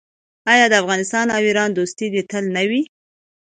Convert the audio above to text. آیا د افغانستان او ایران دوستي دې تل نه وي؟